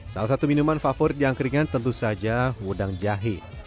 salah satu minuman favorit di angkringan tentu saja udang jahe